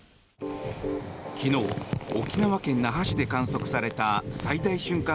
昨日沖縄県那覇市で観測された最大瞬間